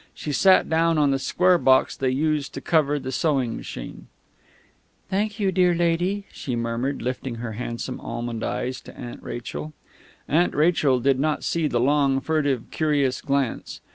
She sat down on the square box they used to cover the sewing machine. "Thank you, lady dear," she murmured, lifting her handsome almond eyes to Aunt Rachel. Aunt Rachel did not see the long, furtive, curious glance.